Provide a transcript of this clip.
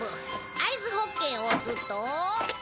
「アイスホッケー」を押すと。